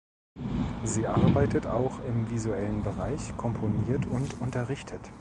Sie arbeitet auch im visuellen Bereich, komponiert und unterrichtet.